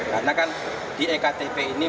karena kan di ektp ini